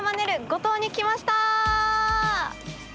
五島に来ました！